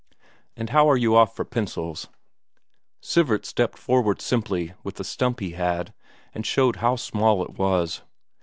And how are you off for pencils?" Sivert stepped forward simply with the stump he had, and showed how small it was.